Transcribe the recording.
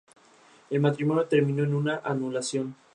El matrimonio terminó en una anulación.